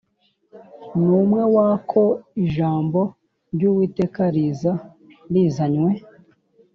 N umwe wako ijambo ry uwiteka riza rizanywe